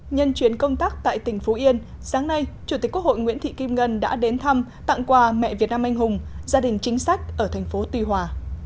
nhân chuyến công tác tại tỉnh phú yên sáng nay chủ tịch quốc hội nguyễn thị kim ngân đã đến thăm tặng quà mẹ việt nam anh hùng gia đình chính sách ở thành phố tuy hòa